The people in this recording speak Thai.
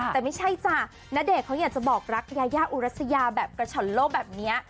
แต่ไม่ใช่จ้ะณเดชนเขาอยากจะบอกรักยายาอุรัสยาแบบกระฉ่อนโลกแบบนี้